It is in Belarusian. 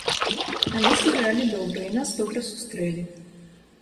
Але сыгралі добра, і нас добра сустрэлі.